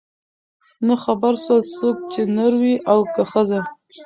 نه خبر سول څوک چي نر وې او که ښځه